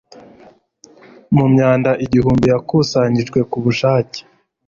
Mu myanda igihumbi yakusanyirijwe ku bushake